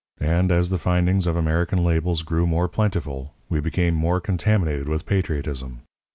And, as the findings of American labels grew more plentiful, we became more contaminated with patriotism.